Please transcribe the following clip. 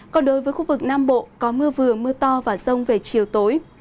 còn đối với khu vực nam bộ có mưa vừa mưa to và rông về chiều tối